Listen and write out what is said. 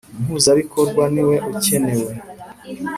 Umuhuzabikorwa niwe ukenewe.